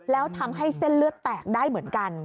แล้วทำให้เส้นเลือดแตกได้เหมือนกัน